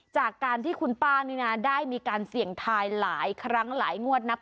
จากการที่คุณป้านี่นะได้มีการเสี่ยงทายหลายครั้งหลายงวดนับ